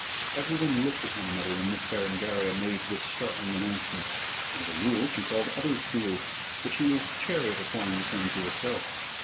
Everyone looked at one another when Miss Berengaria made this startling announcement. As a rule, she called others fools, but she was chary of applying the term to herself.